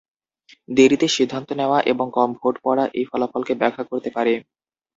দেরীতে সিদ্ধান্ত নেওয়া এবং কম ভোট পড়া এই ফলাফলকে ব্যাখ্যা করতে পারে।